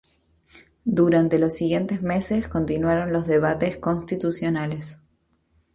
Durante los siguientes meses, continuaron los debates constitucionales.